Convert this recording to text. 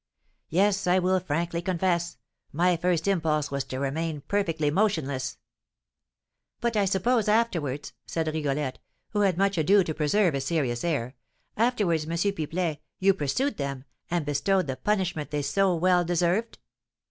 Yes, I will frankly confess, my first impulse was to remain perfectly motionless." "But, I suppose, afterwards," said Rigolette, who had much ado to preserve a serious air, "afterwards, M. Pipelet, you pursued them, and bestowed the punishment they so well deserved?"